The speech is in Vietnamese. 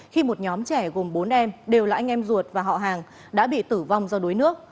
khi một nhóm trẻ gồm bốn em đều là anh em ruột và họ hàng đã bị tử vong do đuối nước